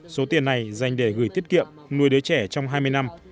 số tiền này dành để gửi tiết kiệm nuôi đứa trẻ trong hai mươi năm